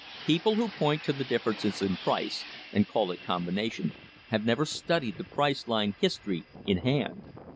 People who point to the differences in price, and call it combination, have never studied the price line history in hand.